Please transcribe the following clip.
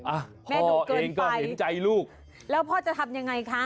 แม่ดูดเกินไปพ่อเองก็เห็นใจลูกแล้วพ่อจะทำยังไงคะ